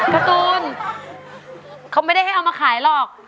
การ์ตูนเขาไม่ได้ให้เอามาขายหรอก